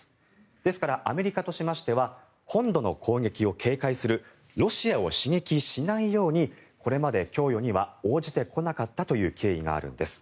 ですから、アメリカとしましては本土の攻撃を警戒するロシアを刺激しないようにこれまで供与には応じてこなかったという経緯があるんです。